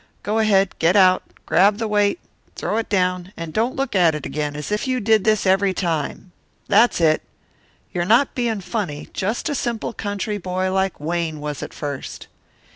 Go ahead, get out, grab the weight, throw it down, and don't look at it again, as if you did this every time. That's it. You're not being funny; just a simple country boy like Wayne was at first."